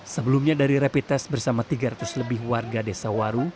sebelumnya dari rapid test bersama tiga ratus lebih warga desa waru